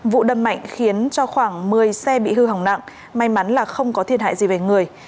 vụ đâm mạnh khiến cho khoảng một mươi xe bị hư hỏng nặng may mắn là không có thiệt hại gì về người